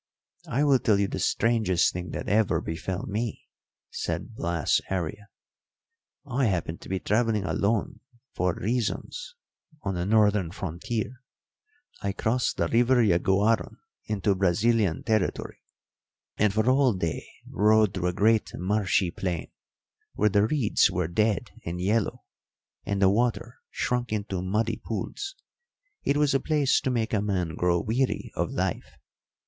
"I will tell you the strangest thing that ever befell me," said Blas Aria. "I happened to be travelling alone for reasons on the northern frontier. I crossed the River Yaguaron into Brazilian territory, and for a whole day rode through a great marshy plain, where the reeds were dead and yellow, and the water shrunk into muddy pools. It was a place to make a man grow weary of life.